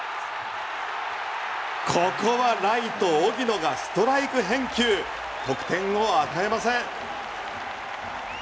ここはライト、荻野がストライク返球得点を与えません。